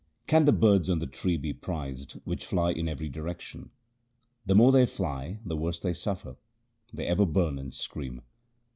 Can the birds 3 on the tree be prized which fly in every direction ? The more they fly, the worse they suffer ; they ever burn and scream.